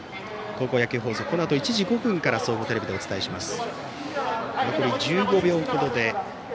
高校野球放送、このあと１時５分から総合テレビでお伝えします。